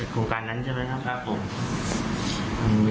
โครงการนั้นใช่ไหมครับผม